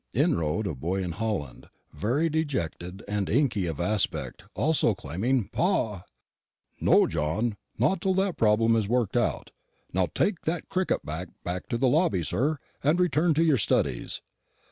[Inroad of boy in holland, very dejected and inky of aspect, also exclaiming "Pa!"] No, John; not till that problem is worked out. Take that cricket bat back to the lobby, sir, and return to your studies.